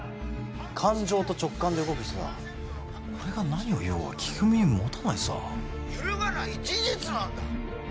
感情と直感で動く人だ俺が何を言おうが聞く耳持たないさ揺るがない事実なんだ！